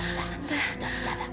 sudah tidak ada